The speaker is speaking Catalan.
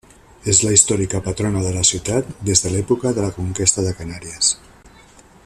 És la històrica patrona de la ciutat des de l'època de la conquesta de Canàries.